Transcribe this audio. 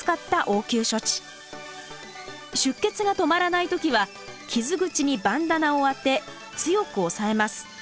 出血が止まらない時は傷口にバンダナを当て強く押さえます。